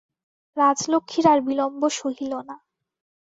রাজলক্ষ্মীর আর বিলম্ব সহিল না।